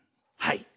はい。